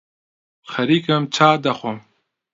خەریکم چای دەخۆم